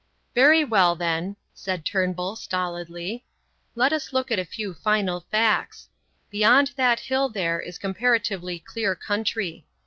"Very well, then," said Turnbull, stolidly. "Let us look at a few final facts. Beyond that hill there is comparatively clear country.